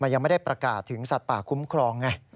มันยังไม่ได้ประกาศถึงสัตว์ป่าคุ้มเมือง